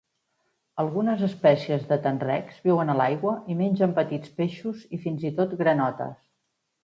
Algunes espècies de tenrecs viuen a l'aigua i mengen petits peixos i fins i tot granotes.